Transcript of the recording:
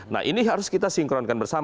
nah ini harus kita sinkronkan bersama